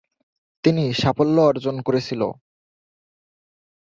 তিনি সাফল্য অর্জন করেছিল।